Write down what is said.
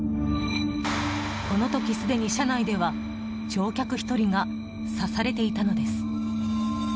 この時すでに車内では乗客１人が刺されていたのです。